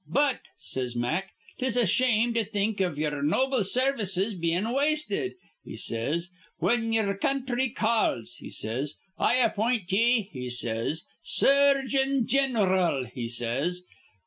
'But,' says Mack, ''tis a shame to think iv ye'er noble sarvices bein' wasted,' he says, 'whin ye'er counthry calls,' he says. 'I appint ye,' he says, 'surgeon gin'ral,' he says.